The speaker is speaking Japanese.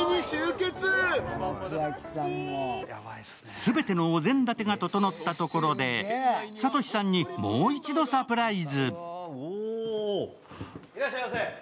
全てのお膳立てが整ったところで諭さんにもう一度サプライズ。